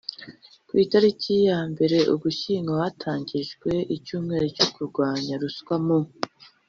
ku itariki ya mbere ugushyingo hatangijwe icyumweru cyo kurwanya ruswa mu